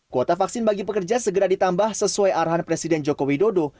kuota vaksin bagi pekerja segera ditambah sesuai arahan presiden joko widodo